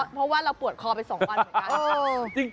เพราะว่าเราปวดคอไป๒วันเหมือนกัน